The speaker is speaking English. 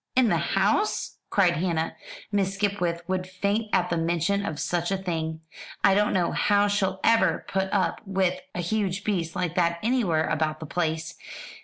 "In the house!" cried Hannah. "Miss Skipwith would faint at the mention of such a thing. I don't know how she'll ever put up with a huge beast like that anywhere about the place.